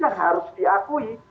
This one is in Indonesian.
yang harus diakui